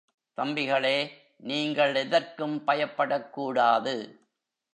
தம்பிகளே, நீங்கள் எதற்கும் பயப்படக்கூடாது.